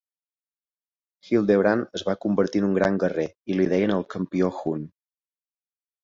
Hildebrand es va convertir en un gran guerrer i li deien el campió hun.